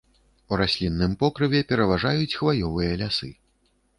У раслінным покрыве пераважаюць хваёвыя лясы.